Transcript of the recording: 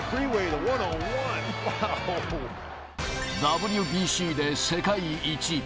ＷＢＣで世界一。